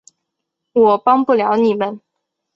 我帮不了你们